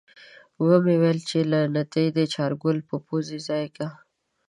وی مې چې له نتې دې چارګل پۀ پوزه ځای که۔